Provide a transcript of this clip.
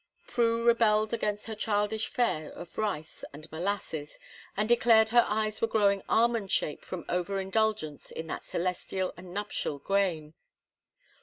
Prue rebelled against her childish fare of rice and molasses, and declared her eyes were growing almond shaped from over indulgence in that celestial and nuptial grain.